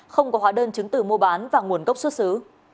không có hóa đơn chứng từ mua bán và nguồn cốc xuất xứ